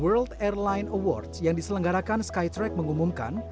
world airline awards yang diselenggarakan skytrack mengumumkan